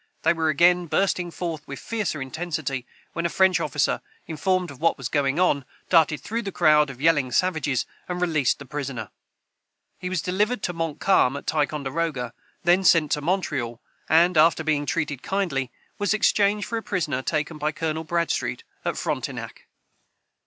They were again bursting forth with fiercer intensity, when a French officer, informed of what was going on, darted through the crowd of yelling savages, and released the prisoner. He was delivered to Montcalm at Ticonderoga, then sent to Montreal, and, after being treated kindly, was exchanged for a prisoner taken by Colonel Bradstreet at Frontenac.] Son.